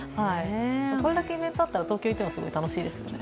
これだけイベントあったら東京にいても楽しいですよね。